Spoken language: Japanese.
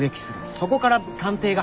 そこから探偵が。